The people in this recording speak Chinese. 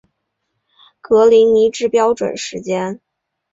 格林尼治标准时间